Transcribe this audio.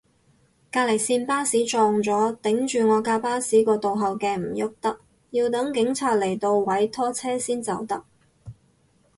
隔離線巴士撞咗，頂住我架巴士個倒後鏡唔郁得，要等警察嚟度位拖車先走得